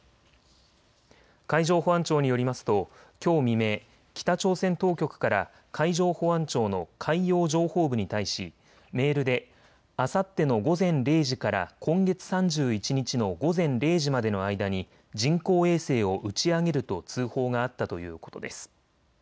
海上保安庁によりますときょう未明、北朝鮮当局から海上保安庁の海洋情報部に対しメールであさっての午前０時から今月３１日の午前０時までの間に人工衛星を打ち上げると通報があったということです。